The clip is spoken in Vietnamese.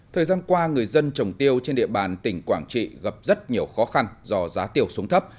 thời gian qua người dân trồng tiêu trên địa bàn tỉnh quảng trị gặp rất nhiều khó khăn do giá tiêu xuống thấp